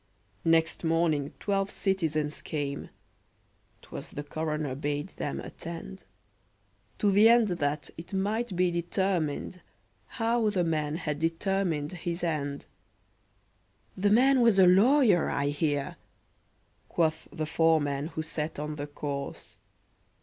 Next morning twelve citizens came ('Twas the coroner bade them attend), To the end that it might be determined How the man had determined his end! "The man was a lawyer, I hear," Quoth the foreman who sat on the corse.